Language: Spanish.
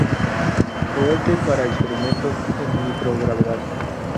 Cohete para experimentos en microgravedad.